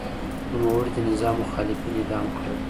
نوموړي د نظام مخالفین اعدام کړل.